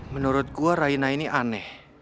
menurut gua raina ini aneh